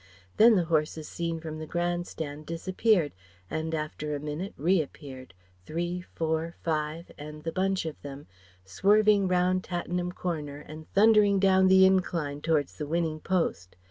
Then the horses seen from the Grand Stand disappeared and after a minute reappeared three, four, five and the bunch of them, swerving round Tattenham Corner and thundering down the incline towards the winning post....